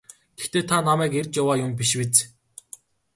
Гэхдээ та намайг эрж яваа юм биш биз?